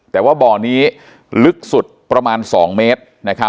แต่ว่าบ่อนี้ลึกสุดประมาณ๒เมตร